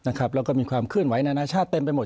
นะครับแล้วก็มีความขึ้นไหวนานาชาติเต็มไปหมด